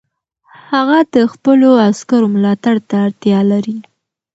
هغه د خپلو عسکرو ملاتړ ته اړتیا لري.